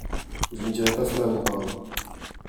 je ne dirai pas cela à mon parrain.